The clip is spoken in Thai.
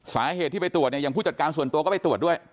สาเหตุที่ไปตรวจเนี่ยอย่างผู้จัดการส่วนตัวก็ไปตรวจด้วย